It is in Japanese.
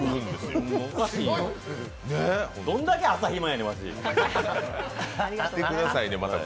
どんだけ朝、ひまやねん、わし。